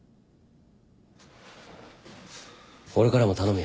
俺からも頼むよ。